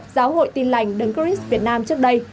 giáo hội tin lành đấng cris việt nam trước đây